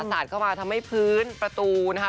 สาดเข้ามาทำให้พื้นประตูนะคะ